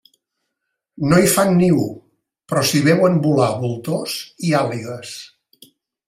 No hi fan niu però s'hi veuen volar voltors i àligues.